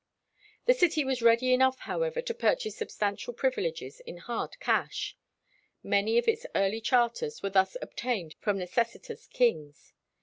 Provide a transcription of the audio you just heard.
The city was ready enough, however, to purchase substantial privileges in hard cash. Many of its early charters were thus obtained from necessitous kings.